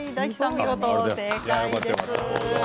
見事正解です。